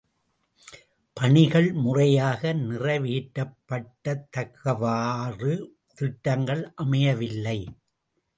பணிகள் முறையாக நிறைவேற்றப்படத்தக்கவாறு திட்டங்கள் அமையவில்லை!